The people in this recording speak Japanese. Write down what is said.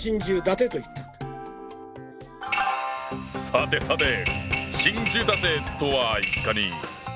さてさて「心中立て」とはいかに？